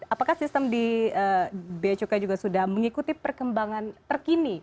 apakah sistem di bchuk juga sudah mengikuti perkembangan terkini